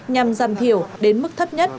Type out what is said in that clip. nhằm giảm thiểu đến mức thấp nhất